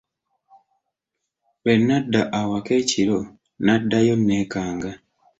Lwe nadda awaka ekiro naddayo nneekanga.